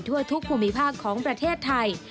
ทั่วทุกภูมิภาคของประเทศไทย